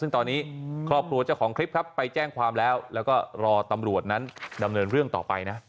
ซึ่งตอนนี้ครอบครัวเจ้าของคลิปครับไปแจ้งความแล้วแล้วก็รอตำรวจนั้นดำเนินเรื่องต่อไปนะ